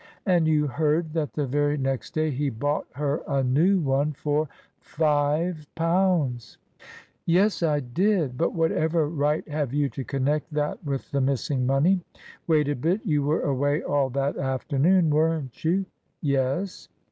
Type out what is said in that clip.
"And you heard that the very next day he bought her a new one for five pounds?" "Yes, I did; but whatever right have you to connect that with the missing money?" "Wait a bit. You were away all that afternoon, weren't you!" "Yes."